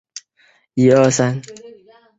谢富治代表北京市革命委员会讲话。